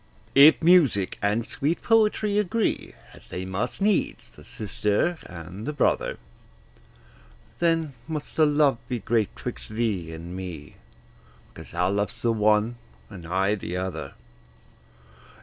If music and sweet poetry agree, As they must needs, the sister and the brother, Then must the love be great 'twixt thee and me, Because thou lovest the one, and I the other.